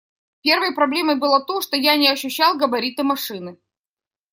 Первой проблемой было то, что я не ощущал габариты машины.